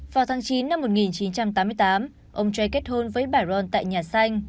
vào tháng chín năm một nghìn chín trăm tám mươi tám ông jai kết hôn với bà ron tại nhà xanh